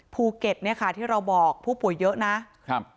ภูเก็ตเนี่ยค่ะที่เราบอกผู้ป่วยเยอะนะครับ